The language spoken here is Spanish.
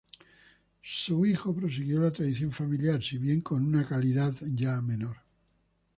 Su hijo prosiguió la tradición familiar, si bien con una calidad ya menor.